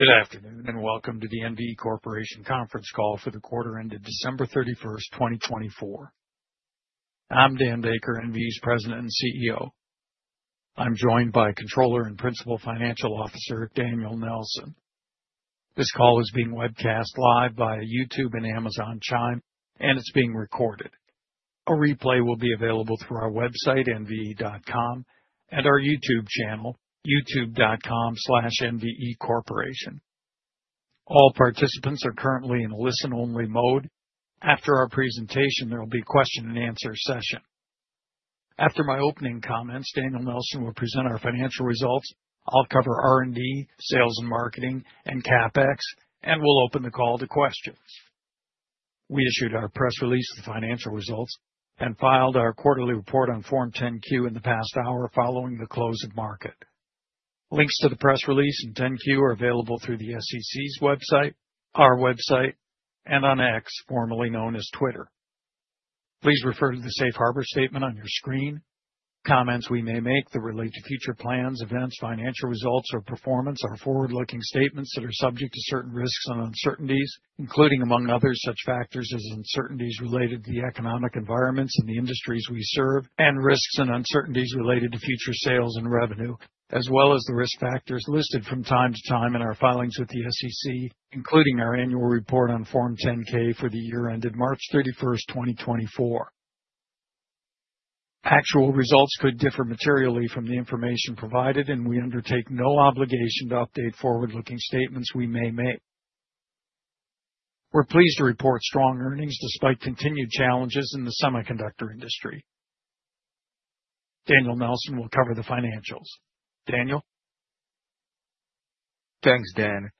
Good afternoon and welcome to the NVE Corporation Conference Call for the quarter ended December 31st, 2024. I'm Dan Baker, NVE's President and CEO. I'm joined by Controller and Principal Financial Officer, Daniel Nelson. This call is being webcast live via YouTube and Amazon Chime, and it's being recorded. A replay will be available through our website, nve.com, and our YouTube channel, youtube.com/nvecorporation. All participants are currently in listen-only mode. After our presentation, there will be a question-and-answer session. After my opening comments, Daniel Nelson will present our financial results. I'll cover R&D, sales and marketing, and CapEx, and we'll open the call to questions. We issued our press release of the financial results and filed our quarterly report on Form 10-Q in the past hour following the close of market. Links to the press release and Form 10-Q are available through the SEC's website, our website, and on X, formerly known as Twitter. Please refer to the safe harbor statement on your screen. Comments we may make that relate to future plans, events, financial results, or performance are forward-looking statements that are subject to certain risks and uncertainties, including, among others, such factors as uncertainties related to the economic environments and the industries we serve, and risks and uncertainties related to future sales and revenue, as well as the risk factors listed from time to time in our filings with the SEC, including our annual report on Form 10-K for the year ended March 31st, 2024. Actual results could differ materially from the information provided, and we undertake no obligation to update forward-looking statements we may make. We're pleased to report strong earnings despite continued challenges in the semiconductor industry. Daniel Nelson will cover the financials. Daniel. Thanks, Dan.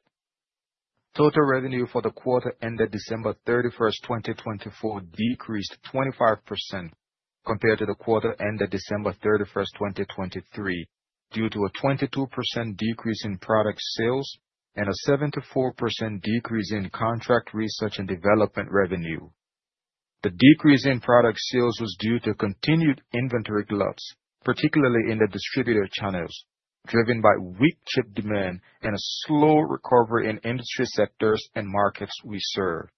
Total revenue for the quarter ended December 31st, 2024, decreased 25% compared to the quarter ended December 31st, 2023, due to a 22% decrease in product sales and a 74% decrease in contract research and development revenue. The decrease in product sales was due to continued inventory gluts, particularly in the distributor channels, driven by weak chip demand and a slow recovery in industry sectors and markets we serve.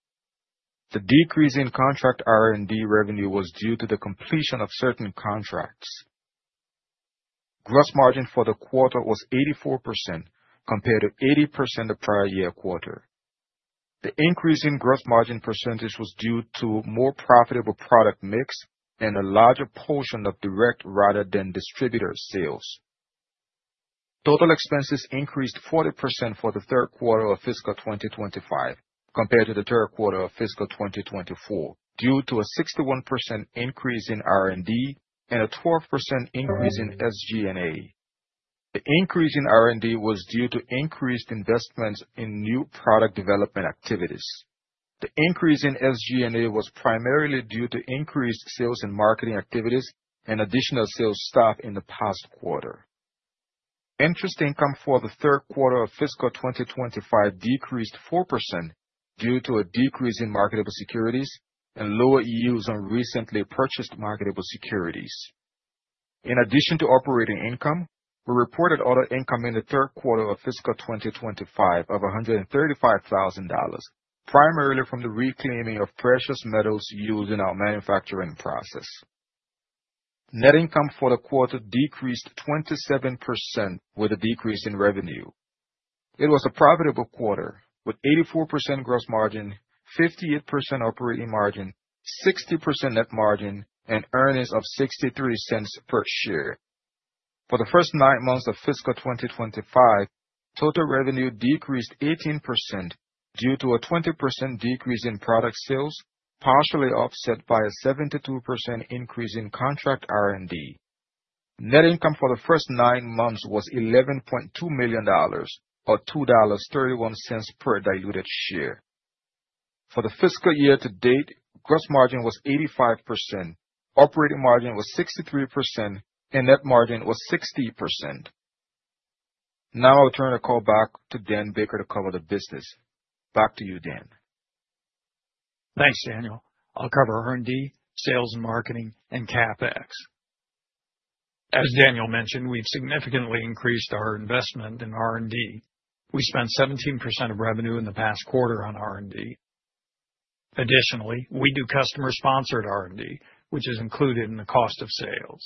The decrease in contract R&D revenue was due to the completion of certain contracts. Gross margin for the quarter was 84% compared to 80% the prior year quarter. The increase in gross margin percentage was due to more profitable product mix and a larger portion of direct rather than distributor sales. Total expenses increased 40% for the third quarter of fiscal 2025 compared to the third quarter of fiscal 2024, due to a 61% increase in R&D and a 12% increase in SG&A. The increase in R&D was due to increased investments in new product development activities. The increase in SG&A was primarily due to increased sales and marketing activities and additional sales staff in the past quarter. Interest income for the third quarter of fiscal 2025 decreased 4% due to a decrease in marketable securities and lower yields on recently purchased marketable securities. In addition to operating income, we reported other income in the third quarter of fiscal 2025 of $135,000, primarily from the reclaiming of precious metals used in our manufacturing process. Net income for the quarter decreased 27% with a decrease in revenue. It was a profitable quarter with 84% gross margin, 58% operating margin, 60% net margin, and earnings of $0.63 per share. For the first nine months of fiscal 2025, total revenue decreased 18% due to a 20% decrease in product sales, partially offset by a 72% increase in contract R&D. Net income for the first nine months was $11.2 million, or $2.31 per diluted share. For the fiscal year to date, gross margin was 85%, operating margin was 63%, and net margin was 60%. Now I'll turn the call back to Dan Baker to cover the business. Back to you, Dan. Thanks, Daniel. I'll cover R&D, sales and marketing, and CapEx. As Daniel mentioned, we've significantly increased our investment in R&D. We spent 17% of revenue in the past quarter on R&D. Additionally, we do customer-sponsored R&D, which is included in the cost of sales.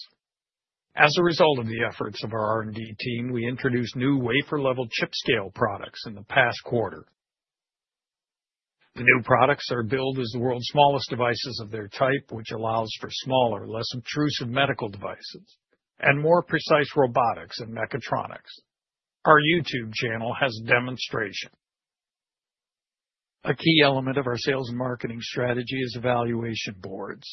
As a result of the efforts of our R&D team, we introduced new wafer-level chip-scale products in the past quarter. The new products are billed as the world's smallest devices of their type, which allows for smaller, less intrusive medical devices and more precise robotics and mechatronics. Our YouTube channel has a demonstration. A key element of our sales and marketing strategy is evaluation boards.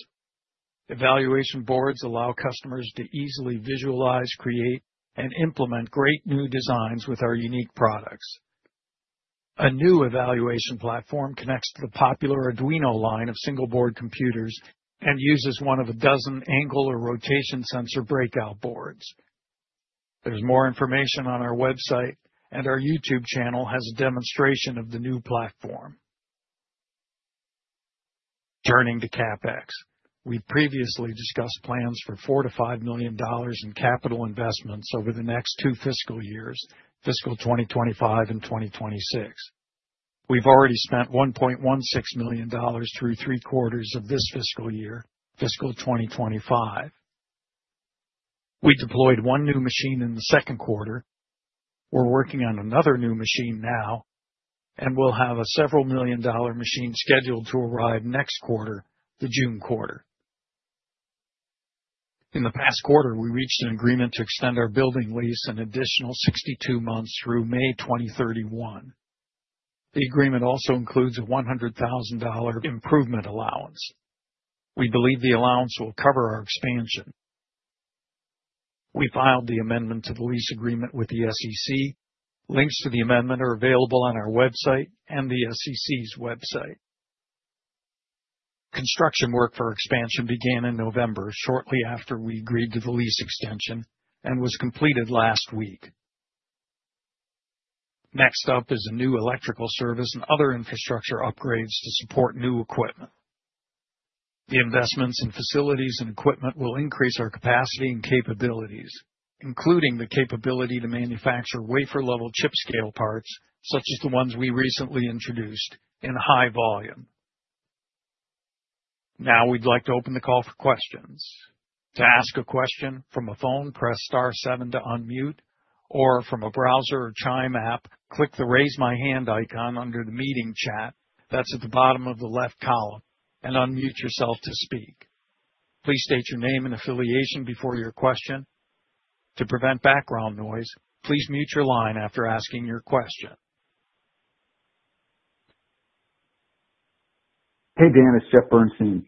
Evaluation boards allow customers to easily visualize, create, and implement great new designs with our unique products. A new evaluation platform connects to the popular Arduino line of single-board computers and uses one of a dozen angle or rotation sensor breakout boards. There's more information on our website, and our YouTube channel has a demonstration of the new platform. Turning to CapEx, we've previously discussed plans for $4 million-$5 million in capital investments over the next two fiscal years, fiscal 2025 and 2026. We've already spent $1.16 million through three quarters of this fiscal year, fiscal 2025. We deployed one new machine in the second quarter. We're working on another new machine now, and we'll have a several million dollar machine scheduled to arrive next quarter, the June quarter. In the past quarter, we reached an agreement to extend our building lease an additional 62 months through May 2031. The agreement also includes a $100,000 improvement allowance. We believe the allowance will cover our expansion. We filed the amendment to the lease agreement with the SEC. Links to the amendment are available on our website and the SEC's website. Construction work for expansion began in November, shortly after we agreed to the lease extension, and was completed last week. Next up is a new electrical service and other infrastructure upgrades to support new equipment. The investments in facilities and equipment will increase our capacity and capabilities, including the capability to manufacture wafer-level chip scale parts, such as the ones we recently introduced, in high volume. Now we'd like to open the call for questions. To ask a question from a phone, press star seven to unmute, or from a browser or Chime app, click the raise my hand icon under the meeting chat that's at the bottom of the left column and unmute yourself to speak. Please state your name and affiliation before your question. To prevent background noise, please mute your line after asking your question. Hey, Dan. It's Jeff Bernstein.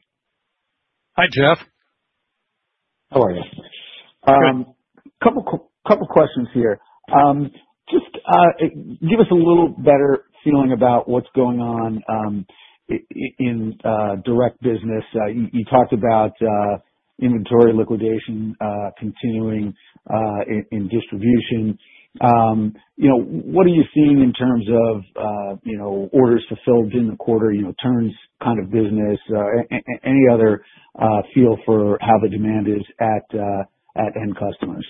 Hi, Jeff. How are you? Good. A couple of questions here. Just give us a little better feeling about what's going on in direct business. You talked about inventory liquidation continuing in distribution. What are you seeing in terms of orders fulfilled in the quarter, turns kind of business, any other feel for how the demand is at end customers?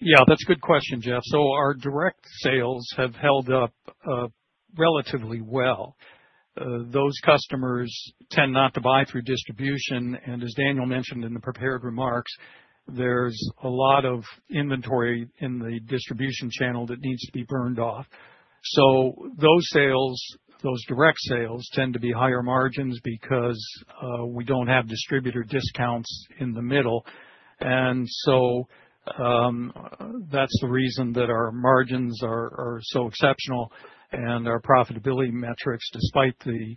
Yeah, that's a good question, Jeff. So our direct sales have held up relatively well. Those customers tend not to buy through distribution. And as Daniel mentioned in the prepared remarks, there's a lot of inventory in the distribution channel that needs to be burned off. So those sales, those direct sales tend to be higher margins because we don't have distributor discounts in the middle. And so that's the reason that our margins are so exceptional and our profitability metrics, despite the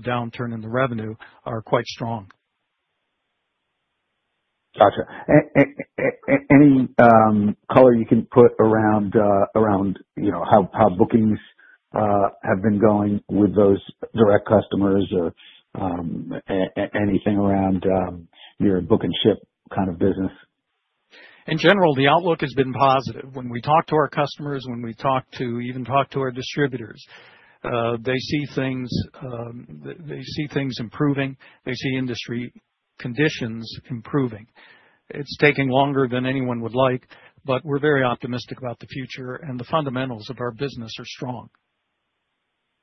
downturn in the revenue, are quite strong. Gotcha. Any color you can put around how bookings have been going with those direct customers or anything around your book and ship kind of business? In general, the outlook has been positive. When we talk to our customers, when we talk to our distributors, they see things improving. They see industry conditions improving. It's taking longer than anyone would like, but we're very optimistic about the future, and the fundamentals of our business are strong.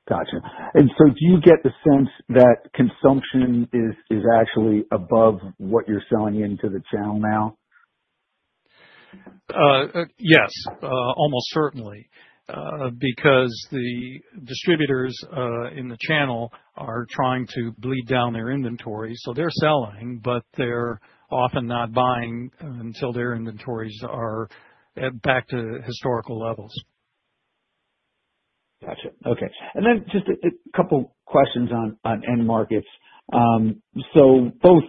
Gotcha. And so do you get the sense that consumption is actually above what you're selling into the channel now? Yes, almost certainly, because the distributors in the channel are trying to bleed down their inventory. So they're selling, but they're often not buying until their inventories are back to historical levels. Gotcha. Okay. And then just a couple of questions on end markets. So both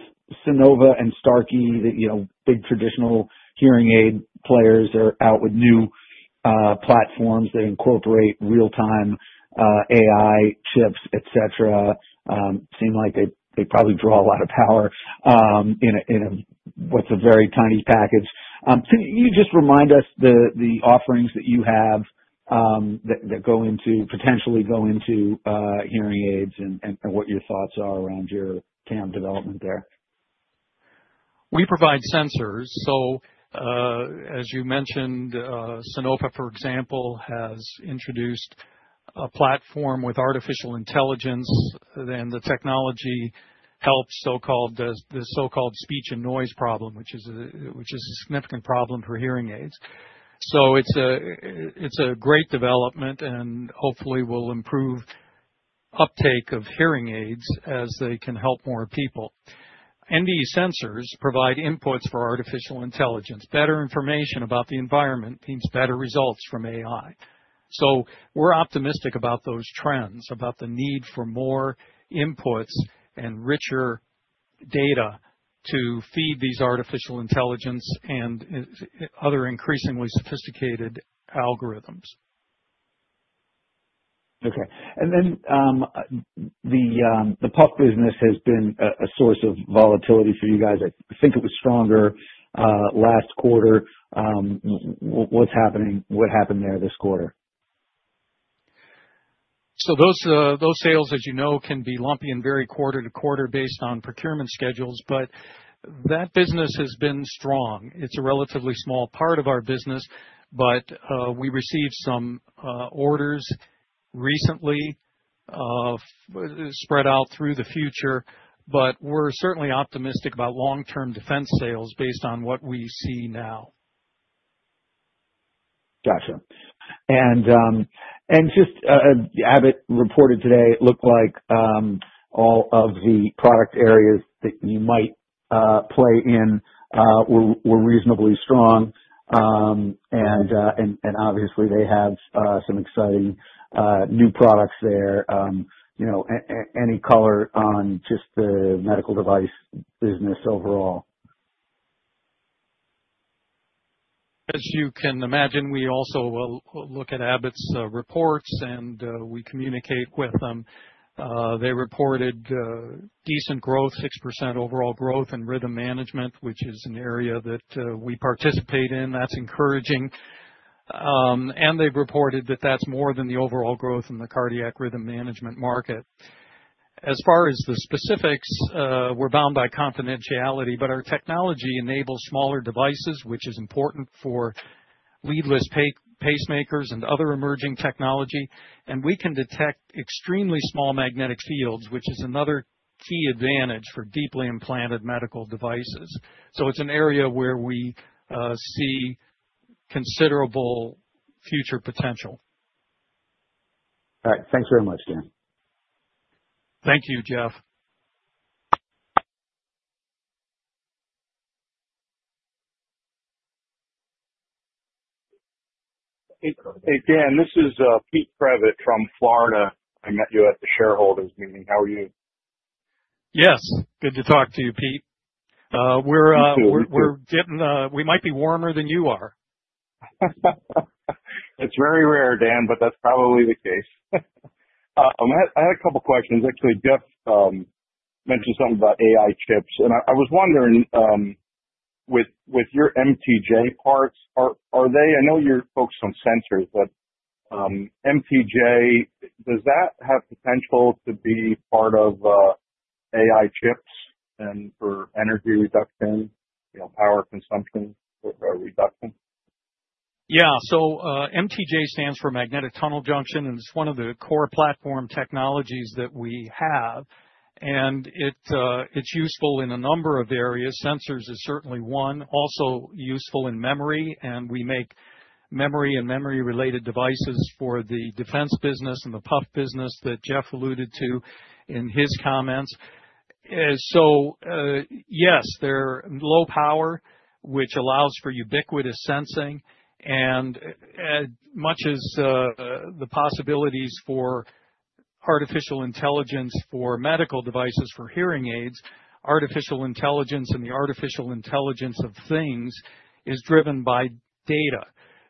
Sonova and Starkey, the big traditional hearing aid players, are out with new platforms that incorporate real-time AI chips, etc. Seem like they probably draw a lot of power in what's a very tiny package. Can you just remind us the offerings that you have that potentially go into hearing aids and what your thoughts are around your TAM development there? We provide sensors. So as you mentioned, Sonova, for example, has introduced a platform with artificial intelligence, and the technology helps the so-called speech and noise problem, which is a significant problem for hearing aids. So it's a great development and hopefully will improve uptake of hearing aids as they can help more people. NVE sensors provide inputs for artificial intelligence. Better information about the environment means better results from AI. So we're optimistic about those trends, about the need for more inputs and richer data to feed these artificial intelligence and other increasingly sophisticated algorithms. Okay. And then the puck business has been a source of volatility for you guys. I think it was stronger last quarter. What's happening there this quarter? So those sales, as you know, can be lumpy and vary quarter to quarter based on procurement schedules, but that business has been strong. It's a relatively small part of our business, but we received some orders recently spread out through the future, but we're certainly optimistic about long-term defense sales based on what we see now. Gotcha. And just Abbott reported today it looked like all of the product areas that you might play in were reasonably strong. And obviously, they have some exciting new products there. Any color on just the medical device business overall? As you can imagine, we also look at Abbott's reports and we communicate with them. They reported decent growth, 6% overall growth in rhythm management, which is an area that we participate in. That's encouraging, and they've reported that that's more than the overall growth in the cardiac rhythm management market. As far as the specifics, we're bound by confidentiality, but our technology enables smaller devices, which is important for leadless pacemakers and other emerging technology, and we can detect extremely small magnetic fields, which is another key advantage for deeply implanted medical devices, so it's an area where we see considerable future potential. All right. Thanks very much, Dan. Thank you, Jeff. Hey, Dan, this is Pete Kravitz from Florida. I met you at the shareholders' meeting. How are you? Yes. Good to talk to you, Pete. We're dipping. We might be warmer than you are. It's very rare, Dan, but that's probably the case. I had a couple of questions. Actually, Jeff mentioned something about AI chips. And I was wondering, with your MTJ parts, are they? I know you're focused on sensors, but MTJ, does that have potential to be part of AI chips and for energy reduction, power consumption reduction? Yeah. So MTJ stands for magnetic tunnel junction, and it's one of the core platform technologies that we have. And it's useful in a number of areas. Sensors is certainly one. Also useful in memory. And we make memory and memory-related devices for the defense business and the puck business that Jeff alluded to in his comments. So yes, they're low power, which allows for ubiquitous sensing. And much as the possibilities for artificial intelligence for medical devices for hearing aids, artificial intelligence and the artificial intelligence of things is driven by data.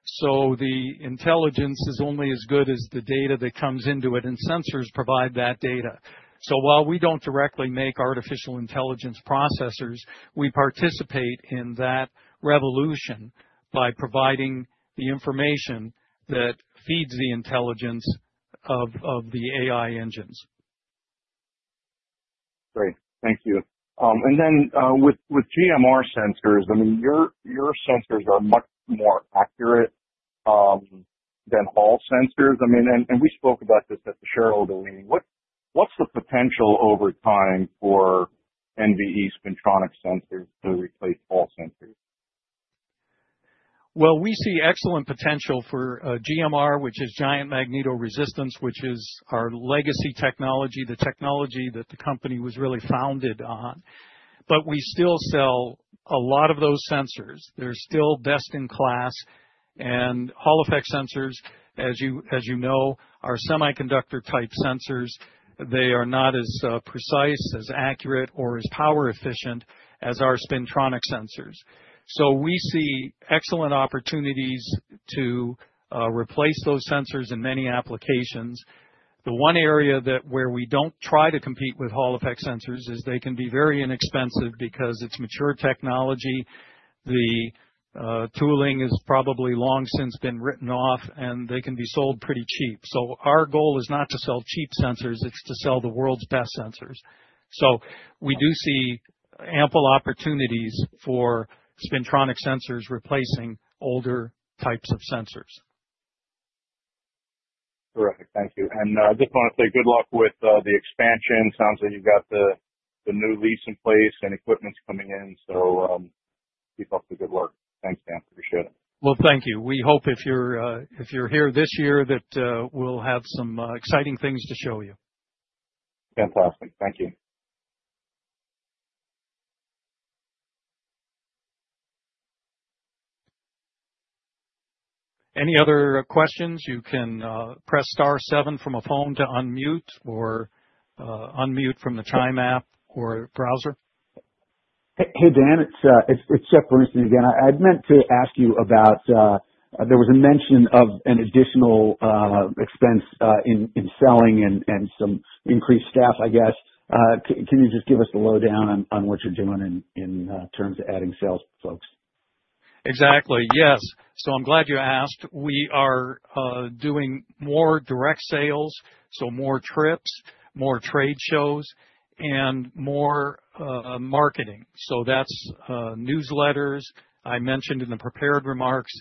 So the intelligence is only as good as the data that comes into it, and sensors provide that data. So while we don't directly make artificial intelligence processors, we participate in that revolution by providing the information that feeds the intelligence of the AI engines. Great. Thank you. And then with GMR sensors, I mean, your sensors are much more accurate than Hall sensors. I mean, and we spoke about this at the shareholder meeting. What's the potential over time for NVE spintronic sensors to replace Hall sensors? We see excellent potential for GMR, which is Giant Magnetoresistance, which is our legacy technology, the technology that the company was really founded on. We still sell a lot of those sensors. They're still best in class. Hall effect sensors, as you know, are semiconductor-type sensors. They are not as precise, as accurate, or as power-efficient as our spintronic sensors. We see excellent opportunities to replace those sensors in many applications. The one area where we don't try to compete with Hall effect sensors is they can be very inexpensive because it's mature technology. The tooling has probably long since been written off, and they can be sold pretty cheap. Our goal is not to sell cheap sensors. It's to sell the world's best sensors. We do see ample opportunities for spintronic sensors replacing older types of sensors. Terrific. Thank you. And I just want to say good luck with the expansion. Sounds like you've got the new lease in place and equipment's coming in. So keep up the good work. Thanks, Dan. Appreciate it. Thank you. We hope if you're here this year that we'll have some exciting things to show you. Fantastic. Thank you. Any other questions? You can press star seven from a phone to unmute or unmute from the Chime app or browser. Hey, Dan. It's Jeff Bernstein again. I meant to ask you about there was a mention of an additional expense in selling and some increased staff, I guess. Can you just give us the lowdown on what you're doing in terms of adding sales folks? Exactly. Yes. So I'm glad you asked. We are doing more direct sales, so more trips, more trade shows, and more marketing. So that's newsletters. I mentioned in the prepared remarks,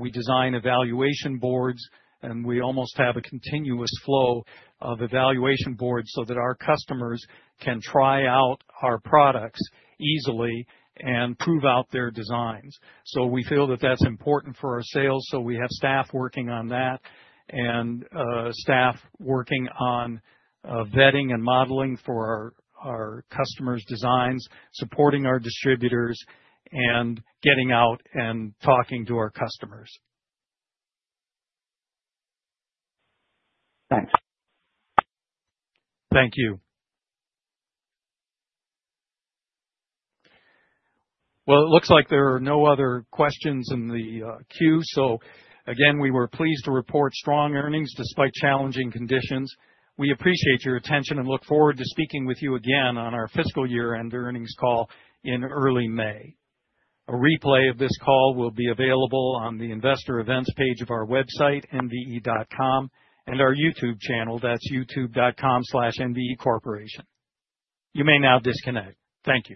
we design evaluation boards, and we almost have a continuous flow of evaluation boards so that our customers can try out our products easily and prove out their designs. So we feel that that's important for our sales. So we have staff working on that and staff working on vetting and modeling for our customers' designs, supporting our distributors, and getting out and talking to our customers. Thanks. Thank you. Well, it looks like there are no other questions in the queue. So again, we were pleased to report strong earnings despite challenging conditions. We appreciate your attention and look forward to speaking with you again on our fiscal year-end earnings call in early May. A replay of this call will be available on the investor events page of our website, nve.com, and our YouTube channel. That's youtube.com/nvecorporation. You may now disconnect. Thank you.